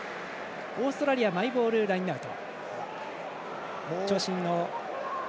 オーストラリアマイボールラインアウト。